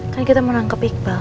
kan kita menangkep iqbal